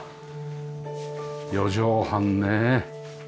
四畳半ね。